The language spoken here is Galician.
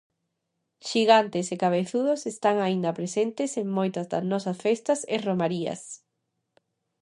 Xigantes e cabezudos están aínda presentes en moitas das nosas festas e romarías.